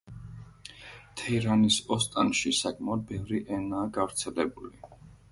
თეირანის ოსტანში საკმაოდ ბევრი ენაა გავრცელებული.